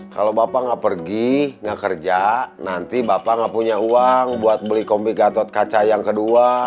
kalau bapak nggak pergi nggak kerja nanti bapak nggak punya uang buat beli kompi gatot kaca yang kedua